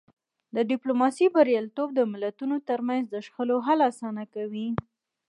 د ډیپلوماسی بریالیتوب د ملتونو ترمنځ د شخړو حل اسانه کوي.